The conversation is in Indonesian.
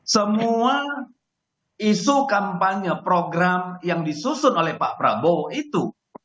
semua isu kampanye program yang disusun oleh pak prabowo itu